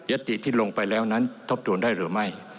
ติที่ลงไปแล้วนั้นทบทวนได้หรือไม่